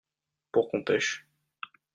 pour qu'on pêche.